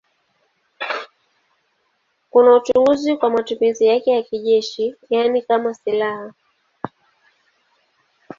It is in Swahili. Kuna uchunguzi kwa matumizi yake ya kijeshi, yaani kama silaha.